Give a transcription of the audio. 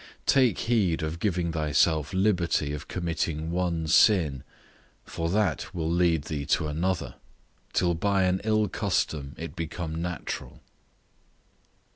Take heed of giving thyself liberty of committing one sin, for that will lead thee to another; till by an ill custom it become natural.